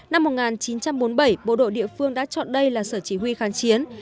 năm một nghìn chín trăm bốn mươi bảy bộ đội địa phương đã chọn đây là sở chỉ huy kháng chiến